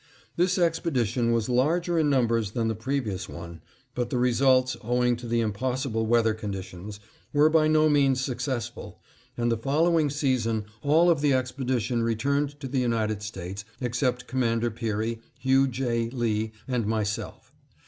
This expedition was larger in numbers than the previous one, but the results, owing to the impossible weather conditions, were by no means successful, and the following season all of the expedition returned to the United States except Commander Peary, Hugh J. Lee, and myself.